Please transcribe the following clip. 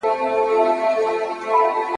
ښځي هلته خپل لوړتوب ساتلی دی